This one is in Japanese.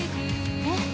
えっ？